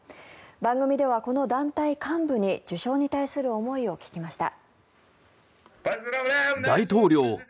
番組ではこの団体幹部に受賞に対する思いを聞きました。